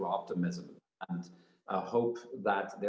saya tidak yakin kita tahu